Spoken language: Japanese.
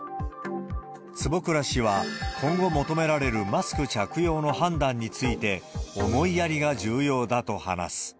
坪倉氏は、今後求められるマスク着用の判断について、思いやりが重要だと話す。